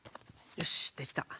よしできた。